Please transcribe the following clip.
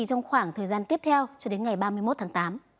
trong khoảng thời gian tiếp theo cho đến ngày ba mươi một tháng tám